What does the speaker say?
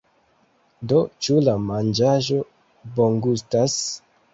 Do, ĉu la manĝaĵo bongustas?